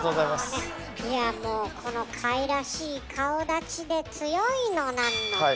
いやもうこのかいらしい顔だちで強いのなんのって。